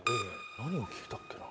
何を聞いたっけな？